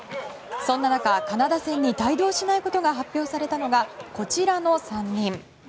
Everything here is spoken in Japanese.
そんな中、カナダ戦に帯同しないことが発表されたのが、こちらの３人。